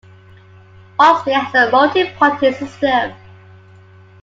Austria has a multi-party system.